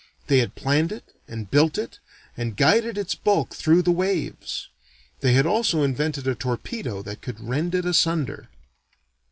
They had planned it and built it and guided its bulk through the waves. They had also invented a torpedo that could rend it asunder.